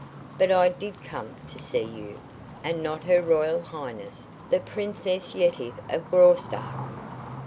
"But I did come to see you and not Her Royal Highness the Princess Yetive of Graustark.